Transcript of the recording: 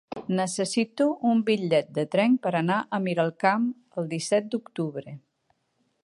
Necessito un bitllet de tren per anar a Miralcamp el disset d'octubre.